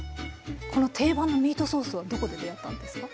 この定番のミートソースはどこで出会ったんですか？